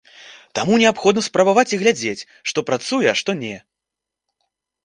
Таму неабходна спрабаваць і глядзець, што працуе, а што не.